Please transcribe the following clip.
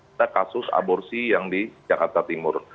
ada kasus aborsi yang di jakarta timur